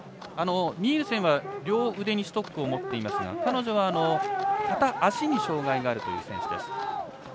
ニールセンは両腕にストックを持っていますが彼女は、片足に障がいがあるという選手です。